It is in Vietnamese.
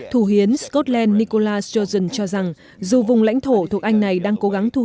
thủ hiến scotland nicola sholzen cho rằng dù vùng lãnh thổ thuộc anh này đang cố gắng thu